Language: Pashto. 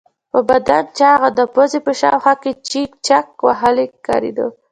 په بدن چاغ او د پوزې په شاوخوا کې چیچک وهلی ښکارېده.